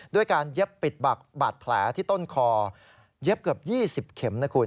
ด้วยการเย็บปิดบาดแผลที่ต้นคอเย็บเกือบ๒๐เข็มนะคุณ